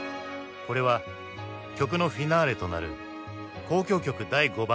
これは曲のフィナーレとなる「交響曲第５番」